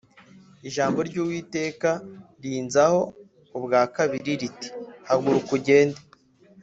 Ijambo ry’Uwiteka rinzaho ubwa kabiri riti Haguruka ugende